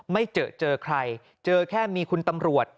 ไม่เจอเจอใครเจอแค่มีคุณตำรวจ